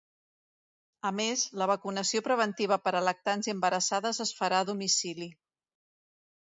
A més, la vacunació preventiva per a lactants i embarassades es farà a domicili.